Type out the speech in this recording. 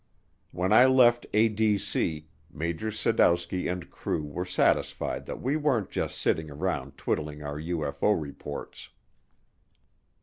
When I left ADC, Major Sadowski and crew were satisfied that we weren't just sitting around twiddling our UFO reports.